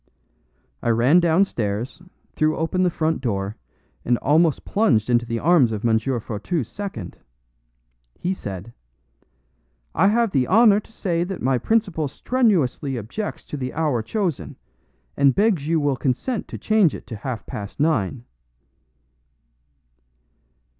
I ran downstairs, threw open the front door, and almost plunged into the arms of M. Fourtou's second. He said: "I have the honor to say that my principal strenuously objects to the hour chosen, and begs you will consent to change it to half past nine."